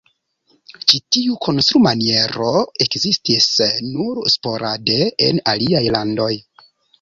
Ĉi tiu konstrumaniero ekzistis nur sporade en aliaj landoj.